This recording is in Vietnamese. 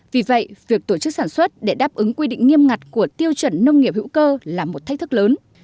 vì vậy việc tổ chức sản xuất để đáp ứng quy định nghiêm ngặt của tiêu chuẩn nông nghiệp hữu cơ là một thách thức lớn